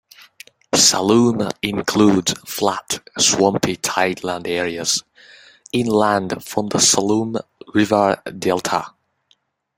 Saloum includes flat, swampy tideland areas inland from the Saloum River delta.